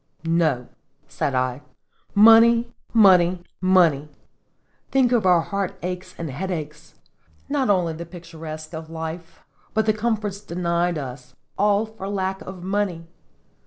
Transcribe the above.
"No," said I, "money, money, money! Think of our heartaches and headaches, not only the picturesque of life, but the comforts denied us, all for lack of money